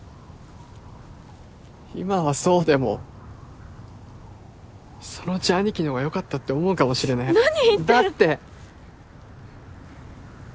今はそうでもそのうち兄貴の方がよかったって思うかもしれない何言ってだって！